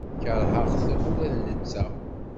Keṛheɣ-t ula d netta.